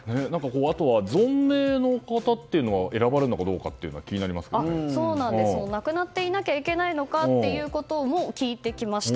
あとは存命の方が選ばれるのかどうか亡くなっていなければいけないのかというのも聞いてきました。